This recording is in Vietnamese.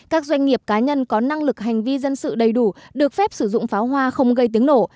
các doanh nghiệp cá nhân có năng lực hành vi dân sự đầy đủ được phép sử dụng pháo hoa không gây tiếng nổ